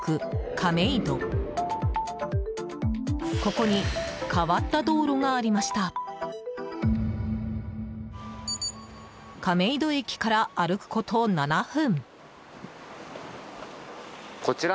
亀戸駅から歩くこと７分。